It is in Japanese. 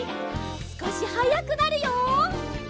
すこしはやくなるよ。